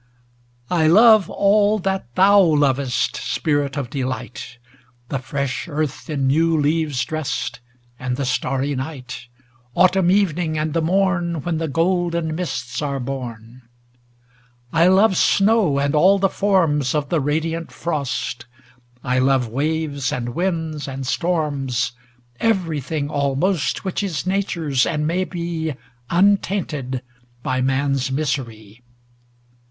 I love all that thou lovest, Spirit of Delight! The fresh Earth in new leaves dressed, And the starry night; Autumn evening, and the morn When the golden mists are born. I love snow and all the forms Of the radiant frost; I love waves, and winds, and storms, Everything almost Which is Nature's, and may be Untainted by man's misery.